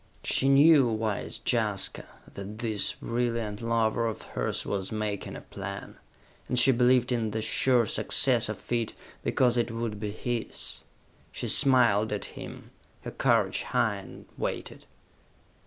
She knew, wise Jaska, that this brilliant lover of hers was making a plan, and she believed in the sure success of it because it would be his! She smiled at him, her courage high, and waited!